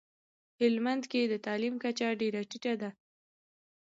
هلمندکي دتعلیم کچه ډیره ټیټه ده